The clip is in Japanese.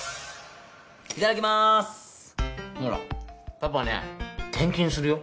パパね転勤するよ。